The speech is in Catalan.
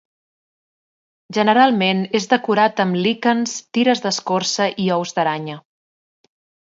Generalment és decorat amb líquens, tires d'escorça i ous d'aranya.